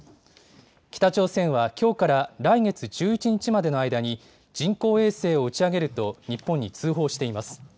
北朝鮮は、きょうから来月１１日までの間に、人工衛星を打ち上げると日本に通報しています。